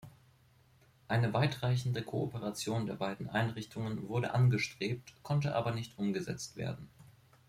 Eine weitreichende Kooperation der beiden Einrichtungen wurde angestrebt, konnte aber nicht umgesetzt werden.